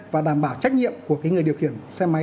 và đảm bảo trách nhiệm của người điều khiển xe máy